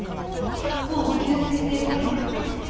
高吸水性ポリマーね。